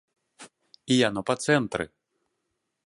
І яно па цэнтры!